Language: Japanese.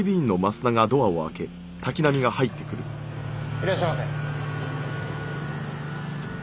いらっしゃいませ。